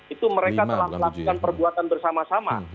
itu mereka telah melakukan perbuatan bersama sama